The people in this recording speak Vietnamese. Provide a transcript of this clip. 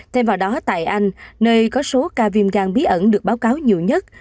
thêm vào đó tại anh nơi có số ca viêm gan bí ẩn được báo cáo nhiều nhất